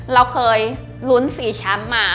เราเคยลุ้น๔แชมป์มา